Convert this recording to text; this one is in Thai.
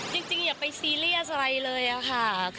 อย่าไปซีเรียสอะไรเลยค่ะ